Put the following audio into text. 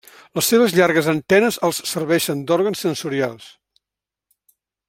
Les seves llargues antenes els serveixen d'òrgans sensorials.